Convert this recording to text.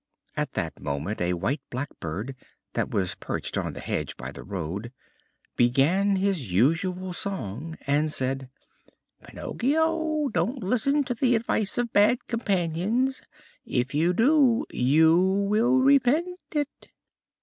At that moment a white Blackbird, that was perched on the hedge by the road, began his usual song, and said: "Pinocchio, don't listen to the advice of bad companions; if you do you will repent it!"